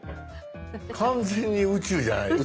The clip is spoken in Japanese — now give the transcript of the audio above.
完全に宇宙じゃないですか。